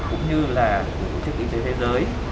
cũng như là của chức y tế thế giới